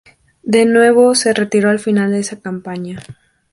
De nuevo se retiró al final de esa campaña.